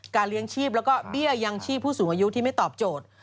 เลี้ยงชีพแล้วก็เบี้ยยังชีพผู้สูงอายุที่ไม่ตอบโจทย์